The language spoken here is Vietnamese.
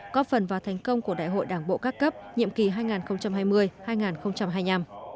góp phần vào thành công của đại hội đảng bộ các cấp nhiệm kỳ hai nghìn hai mươi hai nghìn hai mươi năm